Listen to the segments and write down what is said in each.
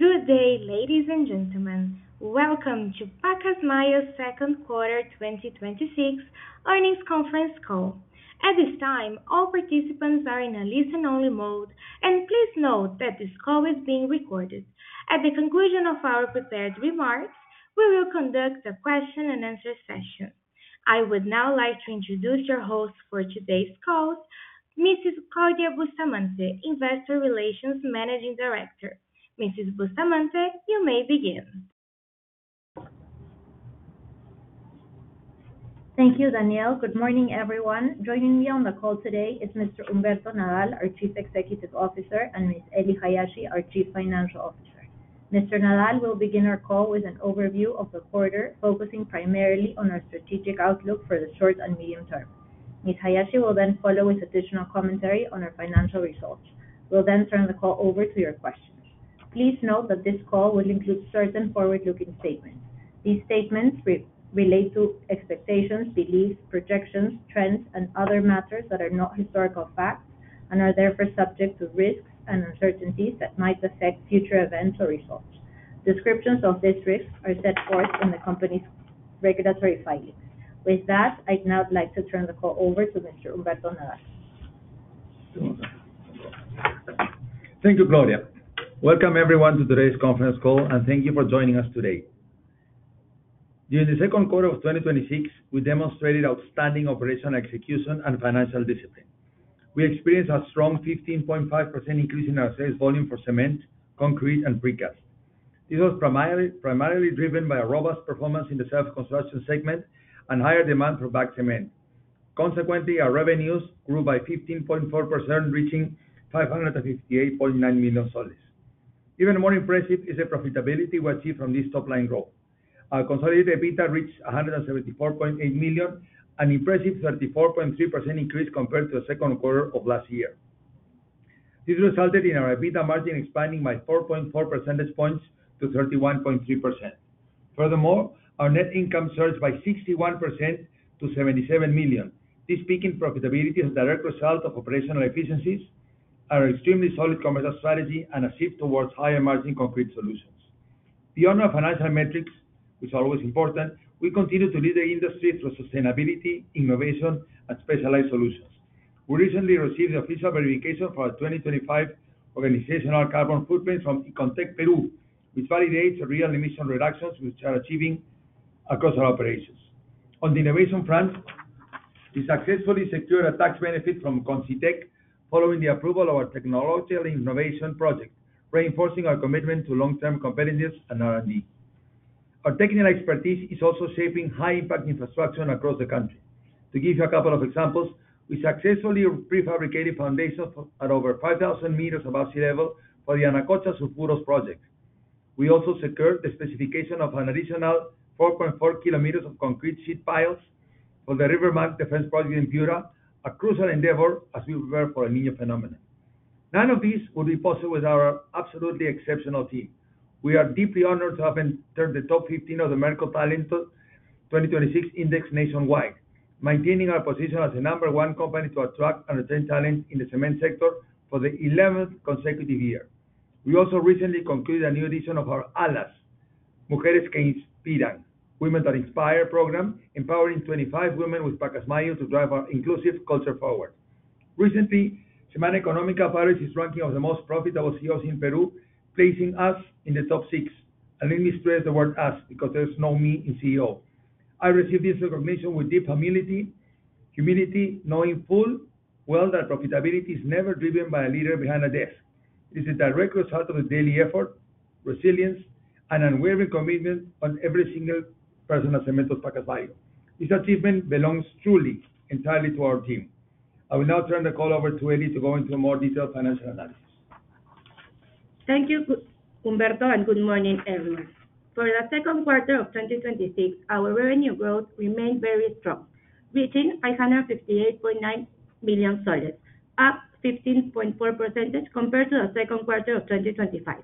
Good day, ladies and gentlemen. Welcome to Pacasmayo's second quarter 2026 earnings conference call. At this time, all participants are in a listen-only mode. Please note that this call is being recorded. At the conclusion of our prepared remarks, we will conduct a question and answer session. I would now like to introduce your host for today's call, Mrs. Claudia Bustamante, Investor Relations Managing Director. Mrs. Bustamante, you may begin. Thank you, Danielle. Good morning, everyone. Joining me on the call today is Mr. Humberto Nadal, our Chief Executive Officer, and Ms. Ely Hayashi, our Chief Financial Officer. Mr. Nadal will begin our call with an overview of the quarter, focusing primarily on our strategic outlook for the short and medium term. Ms. Hayashi will follow with additional commentary on our financial results. We will turn the call over to your questions. Please note that this call will include certain forward-looking statements. These statements relate to expectations, beliefs, projections, trends, and other matters that are not historical facts, are therefore subject to risks and uncertainties that might affect future events or results. Descriptions of these risks are set forth in the company's regulatory filings. With that, I would now like to turn the call over to Mr. Humberto Nadal. Thank you, Claudia. Welcome everyone to today's conference call. Thank you for joining us today. During the second quarter of 2026, we demonstrated outstanding operational execution and financial discipline. We experienced a strong 15.5% increase in our sales volume for cement, concrete, and precast. This was primarily driven by a robust performance in the self-construction segment and higher demand for bagged cement. Consequently, our revenues grew by 15.4%, reaching PEN 558.9 million. Even more impressive is the profitability we achieved from this top-line growth. Our consolidated EBITDA reached PEN 174.8 million, an impressive 34.3% increase compared to the second quarter of last year. This resulted in our EBITDA margin expanding by 4.4 percentage points to 31.3%. Furthermore, our net income surged by 61% to PEN 77 million. This peak in profitability is a direct result of operational efficiencies, our extremely solid commercial strategy, and a shift towards higher margin concrete solutions. Beyond our financial metrics, which are always important, we continue to lead the industry through sustainability, innovation, and specialized solutions. We recently received the official verification for our 2025 organizational carbon footprint from ICONTEC Perú, which validates the real emission reductions we are achieving across our operations. On the innovation front, we successfully secured a tax benefit from CONCYTEC following the approval of our technology and innovation project, reinforcing our commitment to long-term competitiveness and R&D. Our technical expertise is also shaping high-impact infrastructure across the country. To give you a couple of examples, we successfully prefabricated foundations at over 5,000 meters above sea level for the Yanacocha Sulfuros project. We also secured the specification of an additional 4.4 kilometers of concrete sheet piles for the Riverbank Defense Project in Piura, a crucial endeavor as we prepare for El Niño phenomenon. None of these would be possible without our absolutely exceptional team. We are deeply honored to have entered the top 15 of the Merco Talento 2026 Index nationwide, maintaining our position as the number one company to attract and retain talent in the cement sector for the 11th consecutive year. We also recently concluded a new edition of our ALAS: Mujeres que inspiran, Women that Inspire program, empowering 25 women with Pacasmayo to drive our inclusive culture forward. Recently, Semana Económica published its ranking of the most profitable CEOs in Peru, placing us in the top six. Let me stress the word "us," because there's no "me" in CEO. I receive this recognition with deep humility, knowing full well that profitability is never driven by a leader behind a desk. This is a direct result of the daily effort, resilience, and unwavering commitment of every single person at Cementos Pacasmayo. This achievement belongs truly, entirely to our team. I will now turn the call over to Ely to go into a more detailed financial analysis. Thank you, Humberto, and good morning, everyone. For the second quarter of 2026, our revenue growth remained very strong, reaching PEN 558.9 million, up 15.4% compared to the second quarter of 2025.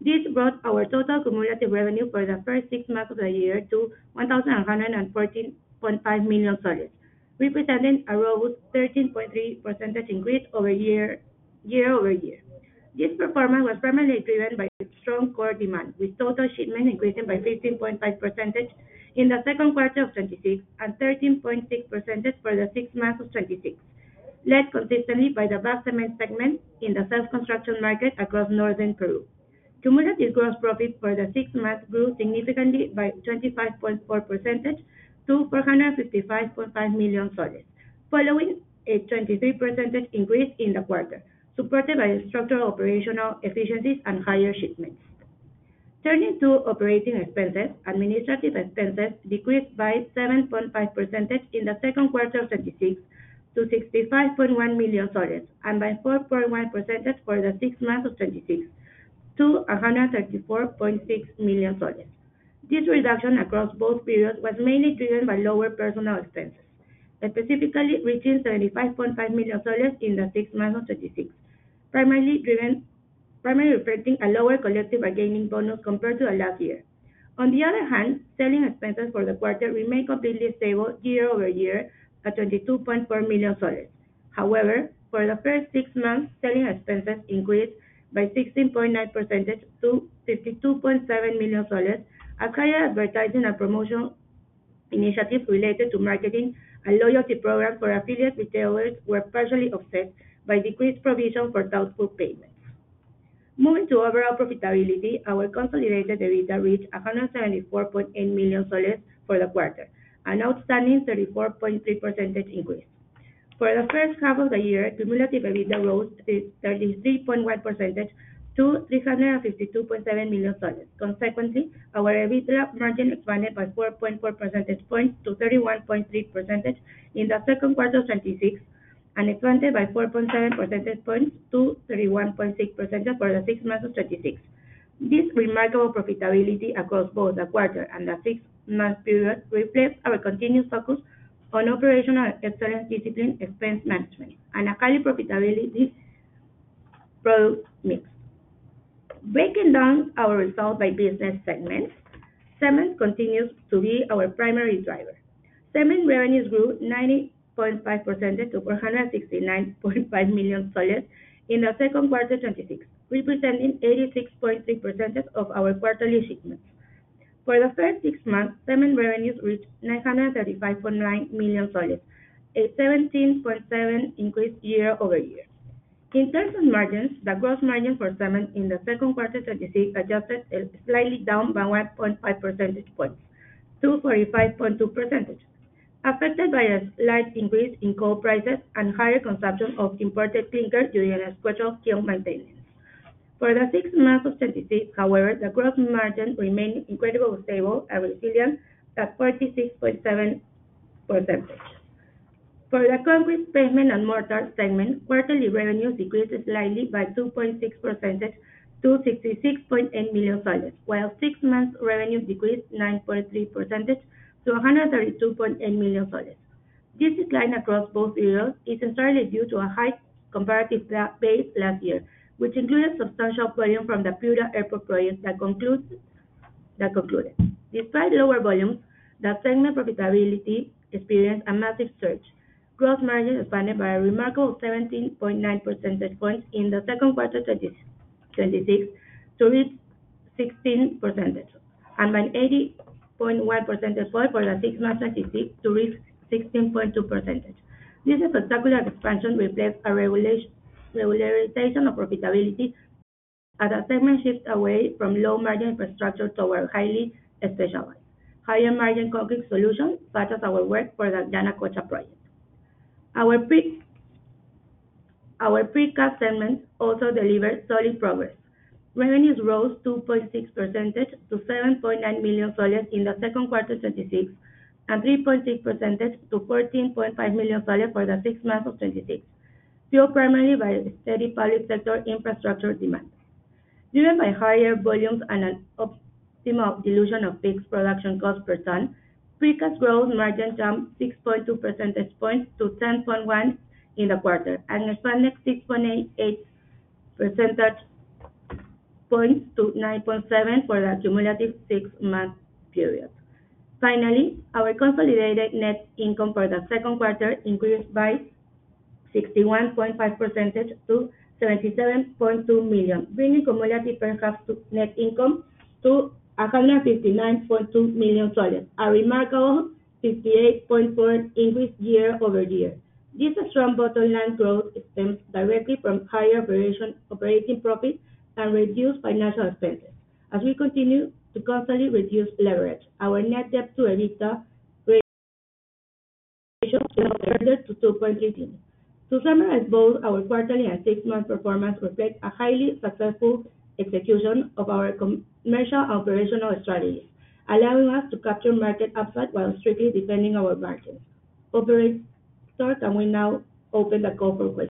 This brought our total cumulative revenue for the first six months of the year to PEN 1,114.5 million, representing a robust 13.3% increase year-over-year. This performance was primarily driven by strong core demand, with total shipments increasing by 15.5% in the second quarter of 2026, and 13.6% for the six months of 2026, led consistently by the bagged cement segment in the self-construction market across northern Peru. Cumulative gross profit for the six months grew significantly by 25.4% to PEN 455.5 million, following a 23% increase in the quarter, supported by structural operational efficiencies and higher shipments. Turning to operating expenses, administrative expenses decreased by 7.5% in the second quarter of 2026 to PEN 65.1 million, and by 4.1% for the six months of 2026 to PEN 134.6 million. This reduction across both periods was mainly driven by lower personnel expenses, specifically reaching PEN 35.5 million in the six months of 2026, primarily reflecting a lower collective bargaining bonus compared to last year. On the other hand, selling expenses for the quarter remained completely stable year-over-year at PEN 22.4 million. However, for the first six months, selling expenses increased by 16.9% to PEN 52.7 million, as higher advertising and promotion initiatives related to marketing and loyalty programs for affiliate retailers were partially offset by decreased provision for doubtful payments. Moving to overall profitability, our consolidated EBITDA reached PEN 174.8 million for the quarter, an outstanding 34.3% increase. For the first half of the year, cumulative EBITDA rose 33.1% to PEN 352.7 million. Consequently, our EBITDA margin expanded by 4.4 percentage points to 31.3% in the second quarter of 2026 and expanded by 4.7 percentage points to 31.6% for the six months of 2026. This remarkable profitability across both the quarter and the six-month period reflects our continued focus on operational excellence, discipline, expense management, and a highly profitable product mix. Breaking down our results by business segment, cement continues to be our primary driver. Cement revenues grew 19.5% to PEN 469.5 million in the second quarter of 2026, representing 86.3% of our quarterly shipments. For the first six months, cement revenues reached PEN 935.9 million, a 17.7% increase year-over-year. In terms of margins, the gross margin for cement in the second quarter 2026 adjusted is slightly down by 1.5 percentage points to 45.2%, affected by a slight increase in coal prices and higher consumption of imported clinker during a scheduled kiln maintenance. For the six months of 2026, however, the gross margin remained incredibly stable and resilient at 46.7%. For the concrete, pavement, and mortar segment, quarterly revenues decreased slightly by 2.6% to PEN 66.8 million, while six months revenues decreased 9.3% to PEN 132.8 million. This decline across both areas is entirely due to a high comparative base last year, which included substantial volume from the Piura Airport project that concluded. Despite lower volumes, that segment profitability experienced a massive surge. Gross margin expanded by a remarkable 17.9 percentage points in the second quarter of 2026 to reach 16%, and by 18.1 percentage points for the six months 2026 to reach 16.2%. This spectacular expansion reflects a regularization of profitability as the segment shifts away from low-margin infrastructure toward highly specialized, higher-margin concrete solutions, such as our work for the Yanacocha project. Our precast segment also delivered solid progress. Revenues rose 2.6% to PEN 7.9 million in the second quarter 2026, and 3.6% to PEN 14.5 million for the six months of 2026, fueled primarily by steady public sector infrastructure demand. Driven by higher volumes and an optimal dilution of fixed production cost per ton, precast gross margin jumped 6.2 percentage points to 10.1% in the quarter and expanded 6.8 percentage points to 9.7% for the cumulative six-month period. Finally, our consolidated net income for the second quarter increased by 61.5% to PEN 77.2 million, bringing cumulative net income to PEN 159.2 million, a remarkable 58.4% increase year-over-year. This strong bottom-line growth stems directly from higher operating profit and reduced financial expenses. As we continue to constantly reduce leverage, our net debt to EBITDA ratio dropped further to 2.32. To summarize, both our quarterly and six-month performance reflect a highly successful execution of our commercial and operational strategies, allowing us to capture market upside while strictly defending our margins. Operator, can we now open the call for questions?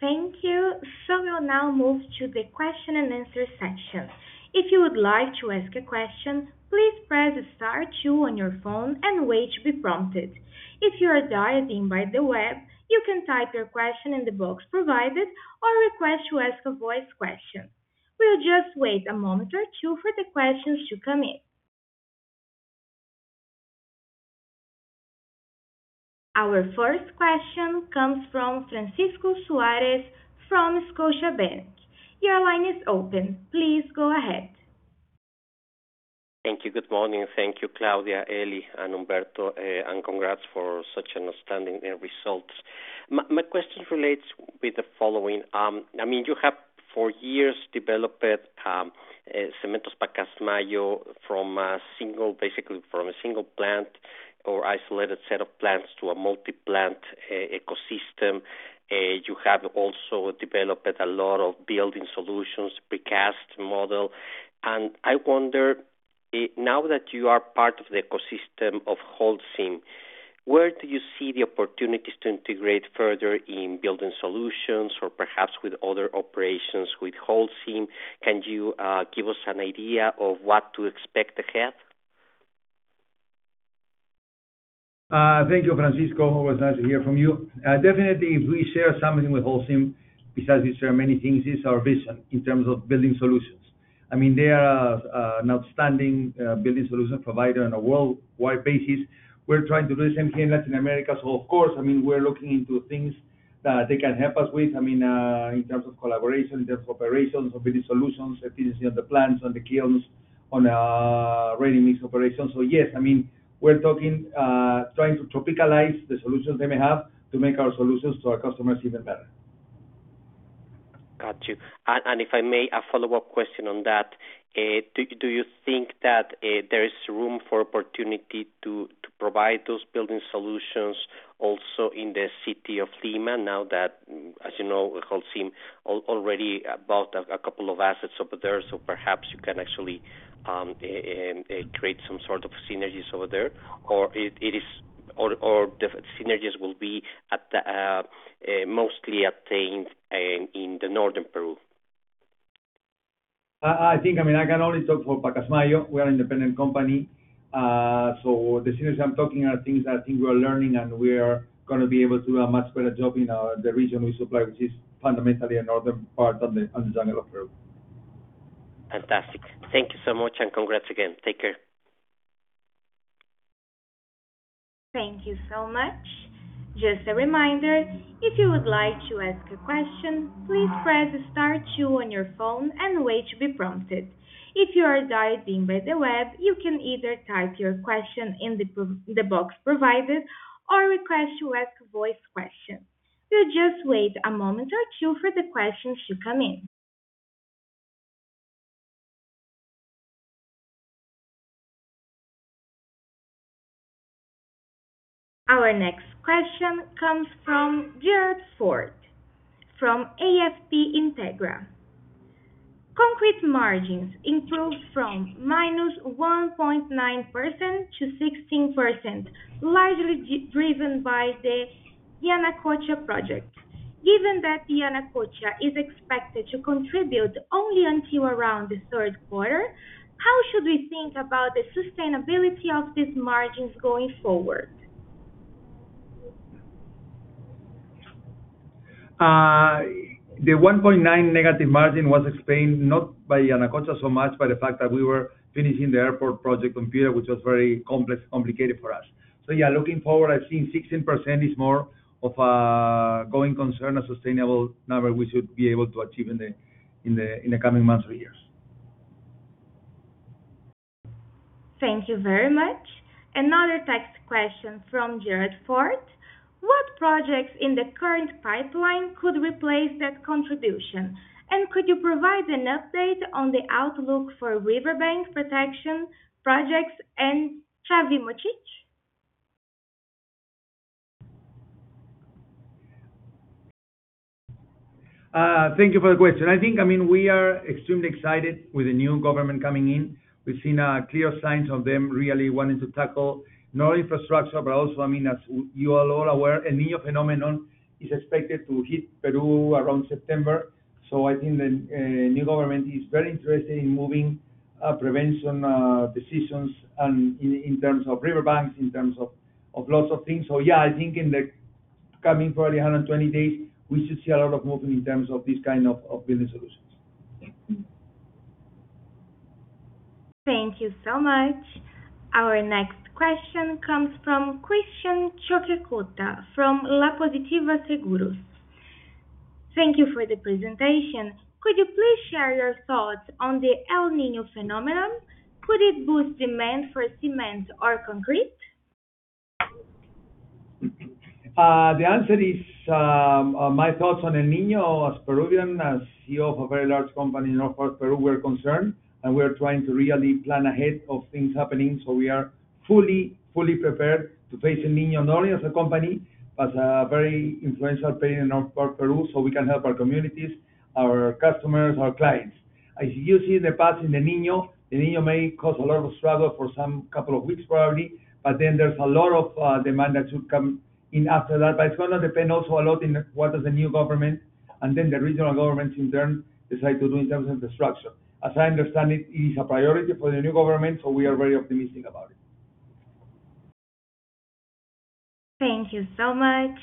Thank you. We'll now move to the question and answer section. If you would like to ask a question, please press star two on your phone and wait to be prompted. If you are dialed in by the web, you can type your question in the box provided or request to ask a voice question. We'll just wait a moment or two for the questions to come in. Our first question comes from Francisco Suarez from Scotiabank. Your line is open. Please go ahead. Thank you. Good morning. Thank you, Claudia, Ely, and Humberto. Congrats for such outstanding results. My question relates with the following. You have for years developed Cementos Pacasmayo basically from a single plant or isolated set of plants to a multi-plant ecosystem. You have also developed a lot of building solutions, precast model. I wonder, now that you are part of the ecosystem of Holcim, where do you see the opportunities to integrate further in building solutions or perhaps with other operations with Holcim? Can you give us an idea of what to expect ahead? Thank you, Francisco. Always nice to hear from you. Definitely, we share something with Holcim, besides we share many things, is our vision in terms of building solutions. They are an outstanding building solution provider on a worldwide basis. We're trying to do the same here in Latin America. Of course, we're looking into things that they can help us with, in terms of collaboration, in terms of operations, of building solutions, efficiency of the plants and the kilns on a ready-mix operation. Yes, we're trying to topicalize the solutions they may have to make our solutions to our customers even better. Got you. If I may, a follow-up question on that. Do you think that there is room for opportunity to provide those building solutions also in the city of Lima, now that, as you know, Holcim already bought a couple of assets over there, so perhaps you can actually create some sort of synergies over there? Or the synergies will be mostly obtained in the northern Peru? I can only talk for Pacasmayo. We are an independent company. The synergies I'm talking are things I think we are learning, and we are going to be able to do a much better job in the region we supply, which is fundamentally a northern part of the jungle of Peru. Fantastic. Thank you so much, and congrats again. Take care. Thank you so much. Just a reminder, if you would like to ask a question, please press star two on your phone and wait to be prompted. If you are dialed in by the web, you can either type your question in the box provided or request to ask a voice question. We'll just wait a moment or two for the questions to come in. Our next question comes from Gerald Fort from AFP Integra. Concrete margins improved from -1.9% to 16%, largely driven by the Yanacocha project. Given that Yanacocha is expected to contribute only until around the third quarter, how should we think about the sustainability of these margins going forward? The 1.9% negative margin was explained not by Yanacocha so much by the fact that we were finishing the airport project on Piura, which was very complicated for us. Yeah, looking forward, I think 16% is more of a going concern, a sustainable number we should be able to achieve in the coming months or years. Thank you very much. Another text question from Gerald Fort. What projects in the current pipeline could replace that contribution? Could you provide an update on the outlook for riverbank protection projects and Chavimochic? Thank you for the question. We are extremely excited with the new government coming in. We've seen clear signs of them really wanting to tackle not only infrastructure, but also, as you all are aware, El Niño phenomenon is expected to hit Peru around September. I think the new government is very interested in moving prevention decisions and in terms of riverbanks, in terms of lots of things. Yeah, I think in the coming probably 120 days, we should see a lot of movement in terms of these kind of building solutions. Thank you so much. Our next question comes from Christian Choquecota from La Positiva Seguros. Thank you for the presentation. Could you please share your thoughts on the El Niño phenomenon? Could it boost demand for cement or concrete? The answer is, my thoughts on El Niño, as Peruvian, as CEO of a very large company in north Peru, we're concerned, and we're trying to really plan ahead of things happening. We are fully prepared to face El Niño, not only as a company, but a very influential player in north Peru, so we can help our communities, our customers, our clients. As you see in the past, in El Niño, El Niño may cause a lot of struggle for some couple of weeks, probably, there's a lot of demand that should come in after that. It's going to depend also a lot in what does the new government and then the regional government in turn decide to do in terms of the structure. As I understand, it is a priority for the new government, we are very optimistic about it. Thank you so much.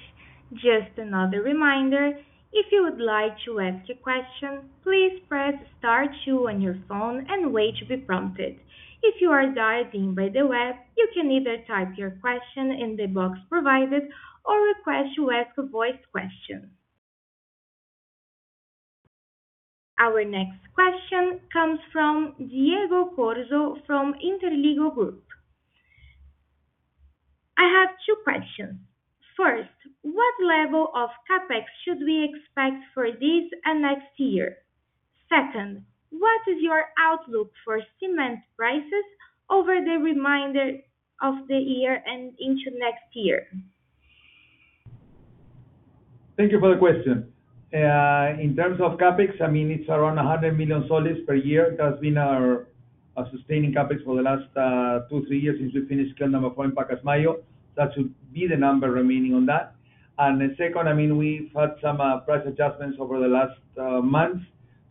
Just another reminder, if you would like to ask a question, please press star two on your phone and wait to be prompted. If you are dialed in by the web, you can either type your question in the box provided or request to ask a voice question. Our next question comes from Diego Corzo from Inteligo Group. I have two questions. First, what level of CapEx should we expect for this and next year? Second, what is your outlook for cement prices over the remainder of the year and into next year? Thank you for the question. In terms of CapEx, it's around PEN 100 million per year. That's been our sustaining CapEx for the last two, three years since we finished kiln number four in Pacasmayo. That should be the number remaining on that. Second, we've had some price adjustments over the last month,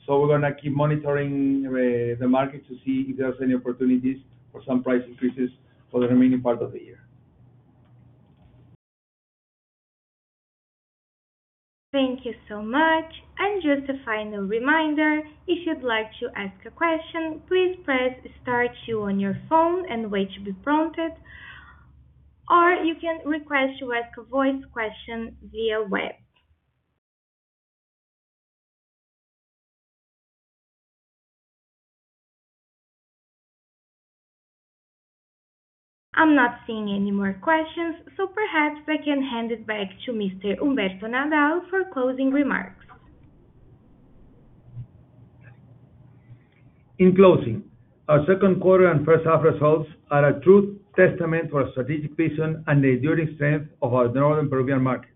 we're going to keep monitoring the market to see if there's any opportunities for some price increases for the remaining part of the year. Thank you so much. Just a final reminder, if you'd like to ask a question, please press star two on your phone and wait to be prompted, or you can request to ask a voice question via web. I'm not seeing any more questions, perhaps I can hand it back to Mr. Humberto Nadal for closing remarks. In closing, our second quarter and first half results are a true testament for our strategic vision and the enduring strength of our northern Peruvian market.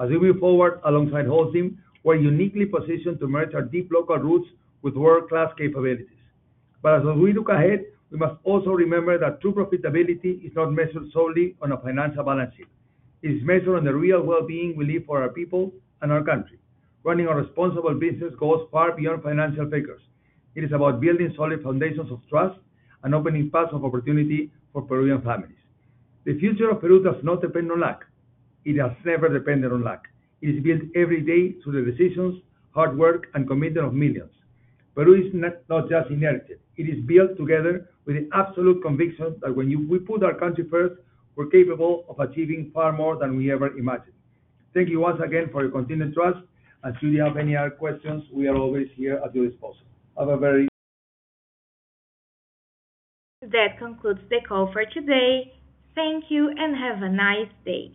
As we move forward alongside Holcim, we're uniquely positioned to merge our deep local roots with world-class capabilities. As we look ahead, we must also remember that true profitability is not measured solely on a financial balance sheet. It is measured on the real wellbeing we leave for our people and our country. Running a responsible business goes far beyond financial figures. It is about building solid foundations of trust and opening paths of opportunity for Peruvian families. The future of Peru does not depend on luck. It has never depended on luck. It is built every day through the decisions, hard work, and commitment of millions. Peru is not just inherited, it is built together with the absolute conviction that when we put our country first, we're capable of achieving far more than we ever imagined. Thank you once again for your continued trust, and should you have any other questions, we are always here at your disposal. Have a very. That concludes the call for today. Thank you and have a nice day.